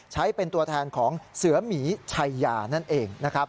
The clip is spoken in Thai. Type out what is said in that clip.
ใช้เป็นตัวแทนของเสื้อหมีชายานั่นเอง